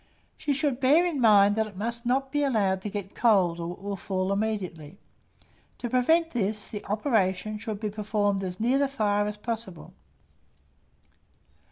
She should bear in mind that it must not be allowed to get cold, or it will fall immediately: to prevent this, the operation should be performed as near the fire as possible.